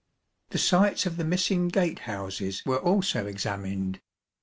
The sites of the missing gate houses were also examined.